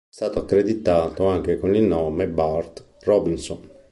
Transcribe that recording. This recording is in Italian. È stato accreditato anche con il nome Bart Robinson.